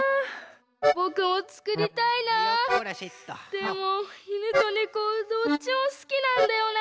でもいぬとねこどっちもすきなんだよな。